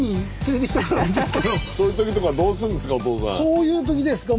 そういう時ですか。